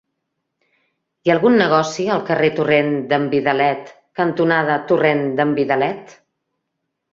Hi ha algun negoci al carrer Torrent d'en Vidalet cantonada Torrent d'en Vidalet?